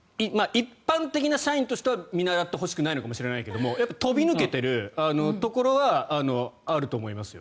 一般的な社員としては見習ってほしくないのかもしれないけどやっぱり飛び抜けているところはあると思いますよ。